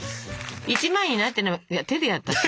１枚になってんのは手でやったら？